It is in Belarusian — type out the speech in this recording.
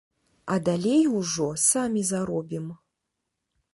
А далей ужо самі заробім.